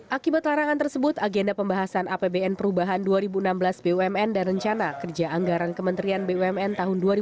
akibat larangan tersebut agenda pembahasan apbn perubahan dua ribu enam belas bumn dan rencana kerja anggaran kementerian bumn tahun dua ribu dua puluh